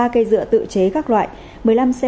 ba cây dựa tự chế các loại một mươi năm xe